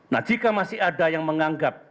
nah jika masih ada yang menganggap